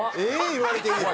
言われてるやん。